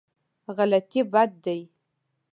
غلطي بد دی.